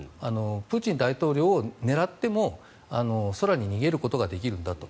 プーチン大統領を狙っても空に逃げることができるんだと。